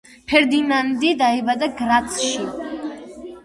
ფერდინანდი დაიბადა გრაცში.